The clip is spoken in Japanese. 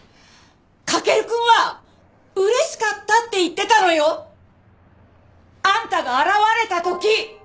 駆くんは嬉しかったって言ってたのよ！？あんたが現れた時！